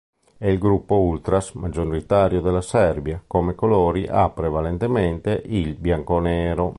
È il gruppo ultras maggioritario della Serbia, come colori ha prevalentemente il bianco-nero.